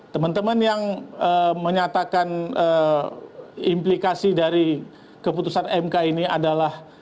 teman teman yang menyatakan implikasi dari keputusan mk ini adalah